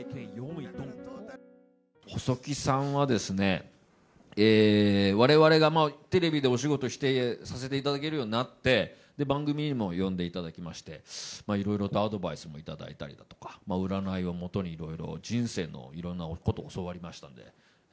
細木さんは、われわれがテレビでお仕事させていただけるようになって、番組にも呼んでいただきまして、いろいろとアドバイスも頂いたりだとか、占いを基にいろいろ人生のいろんなことを教わりましたね。